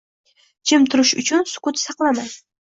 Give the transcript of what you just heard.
Jim turish uchun, sukut saqlamang